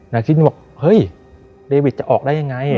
นาคิตินบอกเฮ้ยเดวิดจะออกได้ยังไง